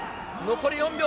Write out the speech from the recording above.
残り４秒。